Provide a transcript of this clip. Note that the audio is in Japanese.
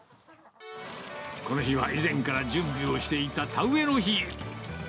この日は以前から準備をしていた田植えの日。